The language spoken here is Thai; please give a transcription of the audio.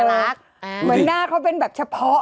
เหมือนหน้าเขาเป็นแบบเฉพาะ